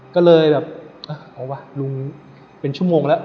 ก็เลยแบบเอาวะลุงเป็นชั่วโมงแล้ว